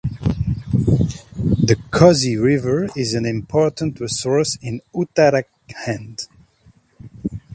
The Kosi River is an important resource in Uttarakhand.